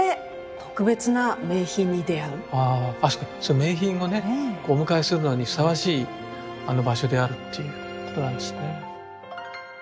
名品をねお迎えするのにふさわしい場所であるっていうことなんですね。